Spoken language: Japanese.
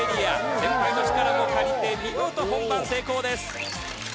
先輩の力も借りて見事本番成功です。